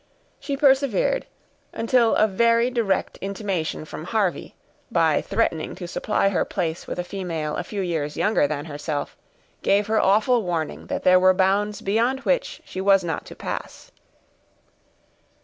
She persevered, until a very direct intimation from Harvey, by threatening to supply her place with a female a few years younger than herself, gave her awful warning that there were bounds beyond which she was not to pass.